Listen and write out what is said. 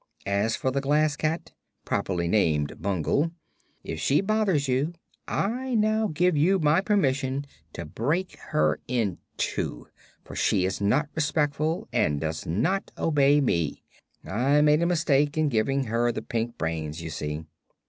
As for the Glass Cat properly named Bungle if she bothers you I now give you my permission to break her in two, for she is not respectful and does not obey me. I made a mistake in giving her the pink brains, you see."